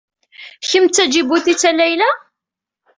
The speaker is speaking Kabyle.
Kemm d taǧibutit a Layla?